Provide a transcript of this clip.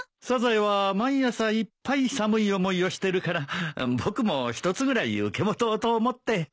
サザエは毎朝いっぱい寒い思いをしてるから僕も１つぐらい受け持とうと思って。